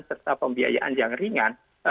serta pembiayaan yang ringan